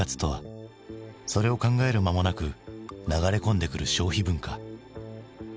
それを考える間もなく流れ込んでくる消費文化。